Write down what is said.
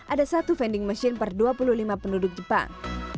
ada satu vending machine per dua puluh lima penduduk jepang